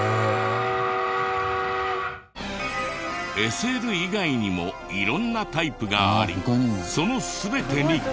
ＳＬ以外にも色んなタイプがありその全てに。